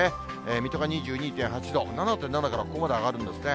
水戸が２２．８度、７．７からここまで上がるんですね。